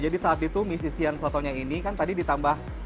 jadi saat ditumis isian sotonya ini kan tadi ditambah jeruk lipat